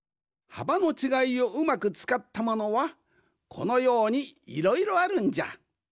はばのちがいをうまくつかったものはこのようにいろいろあるんじゃ。